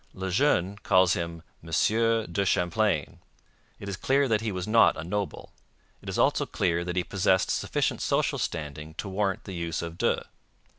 Le Jeune calls him 'Monsieur de Champlain.' It is clear that he was not a noble. It is also clear that he possessed sufficient social standing to warrant the use of de.